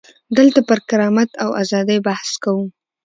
دلته پر کرامت او ازادۍ بحث کوو.